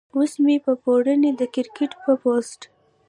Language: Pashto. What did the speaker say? اوس مې پۀ پروني د کرکټ پۀ پوسټ